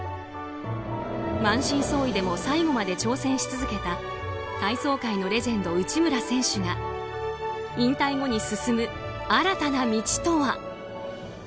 満身創痍でも最後まで挑戦し続けた体操界のレジェンド、内村選手が引退後に進む新たな道とは。